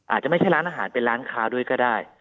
อาจจะไม่ใช่ร้านอาหารเป็นร้านค้าด้วยก็ได้